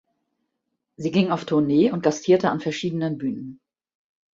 Sie ging auf Tournee und gastierte an verschiedenen Bühnen.